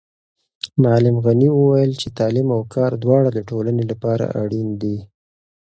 معلم غني وویل چې تعلیم او کار دواړه د ټولنې لپاره اړین دي.